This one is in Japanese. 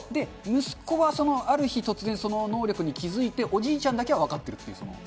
息子はある日突然、その能力に気付いて、おじいちゃんだけは分かってるという。